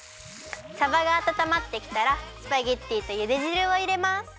さばがあたたまってきたらスパゲッティとゆでじるをいれます。